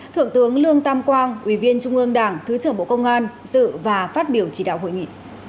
thượng tướng lương tam quang ủy viên trung ương đảng thứ trưởng bộ công an dự và phát biểu chỉ đạo hội nghị